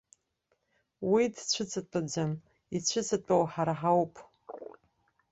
Уи дцәыҵатәаӡам, ицәыҵатәоу ҳара ҳауп.